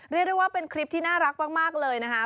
เรียกได้ว่าเป็นคลิปที่น่ารักมากเลยนะคะ